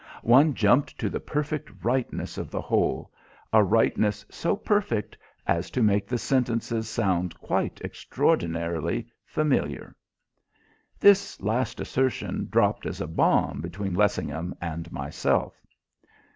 One jumped to the perfect rightness of the whole a rightness so perfect as to make the sentences sound quite extraordinarily familiar." This last assertion dropped as a bomb between Lessingham and myself.